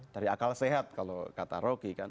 dari akal sehat kalau kata rocky kan